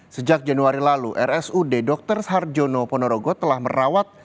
sejak januari lalu rsud dr sarjono ponorogo telah merawat